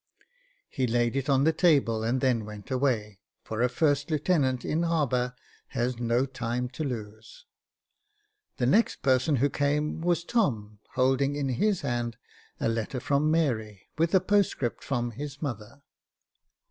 He laid it on the table and then went away, for a first lieutenant in harbour has no time to lose. The next person who came was Tom, holding in his hand a letter from Mary, with a postscript from his mother.